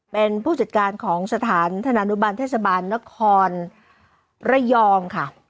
เป็นผู้จัดการของสถานธนานุบันเทศบาลนครระยองค่ะ